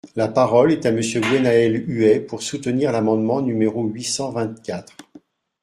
La parole est à Monsieur Guénhaël Huet, pour soutenir l’amendement numéro huit cent vingt-quatre.